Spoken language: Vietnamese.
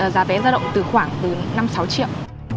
giá vé giao động từ khoảng từ năm sáu triệu